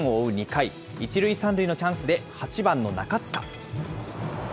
２回、１塁３塁のチャンスで８番の中塚。